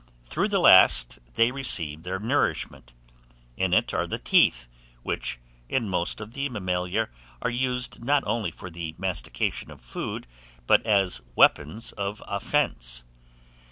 Through the last they receive their nourishment. In it are the teeth, which, in most of the mammalia, are used not only for the mastication of food, but as weapons of offence.